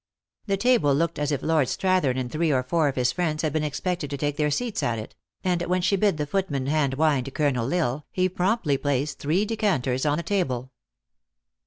The ta ble looked as if Lord Strathern and three or four of his friends had been expected to take their seats at it ; and when she bid the footman hand wine to Colonel L Isle, he promptly placed three ^decanters on the table.